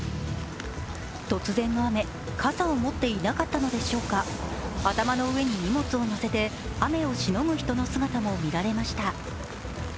突然の雨、傘を持っていなかったのでしょうか頭の上に荷物をのせて雨をしのぐ人の姿も見られました。